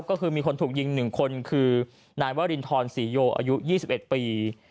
ก็คือมีคนถูกยิง๑คนคือนายวรินทรศรีโยอายุ๒๑ปี